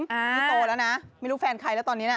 นี่โตแล้วนะไม่รู้แฟนใครแล้วตอนนี้น่ะ